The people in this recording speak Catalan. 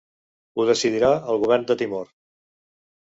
Ho decidirà el Govern de Timor.